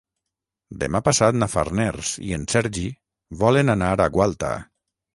Demà passat na Farners i en Sergi volen anar a Gualta.